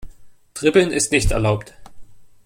Dribbeln ist nicht erlaubt.